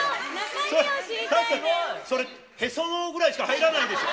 それ、へその緒ぐらいしか入らないでしょ。